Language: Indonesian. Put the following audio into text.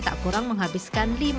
tak kurang menghabiskan lima kg telur